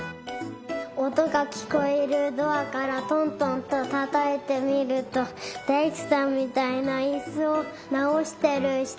おとがきこえるドアからトントンとたたいてみるとだいくさんみたいないすをなおしてるひとがいました。